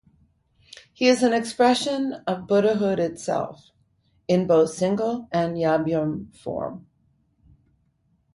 He is an expression of Buddhahood itself in both single and yabyum form.